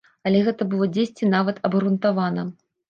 Але гэта было дзесьці нават абгрунтавана.